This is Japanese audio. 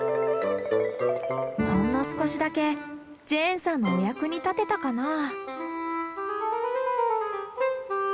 ほんの少しだけジェーンさんのお役に立てたかなぁ。